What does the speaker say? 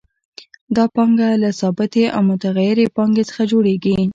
دا پانګه له ثابتې او متغیرې پانګې څخه جوړېږي